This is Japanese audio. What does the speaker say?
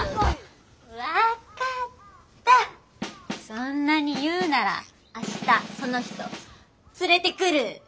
そんなに言うならあしたその人連れてくる。